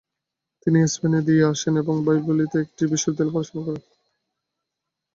তিনি স্পেনে দিরে আসেন এবং বাইলবিওতে একটি বিশ্ববিদ্যালয়ে পড়াশোনা করে।